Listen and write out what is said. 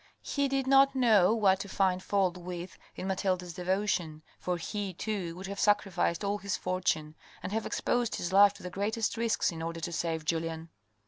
He did not know what to find fault with in Mathilde's devotion. For he, too, would have sacrificed all his fortune, and have exposed his life to the greatest risks in order to save Julien.